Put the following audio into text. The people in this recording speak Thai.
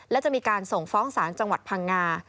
และจะมีการส่งฟ้องศาลจังหวัดพังงา